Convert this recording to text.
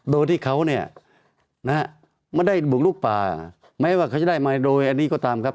โดยที่เขาเนี่ยนะฮะไม่ได้บุกลุกป่าแม้ว่าเขาจะได้มาโดยอันนี้ก็ตามครับ